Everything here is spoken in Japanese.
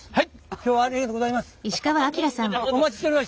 今日はありがとうございます！